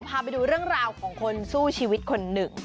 พาไปดูเรื่องราวของคนสู้ชีวิตคนหนึ่ง